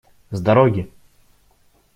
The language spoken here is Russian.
С дороги!